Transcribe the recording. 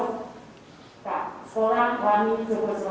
nah sekolah wani jogosopoyo meskipun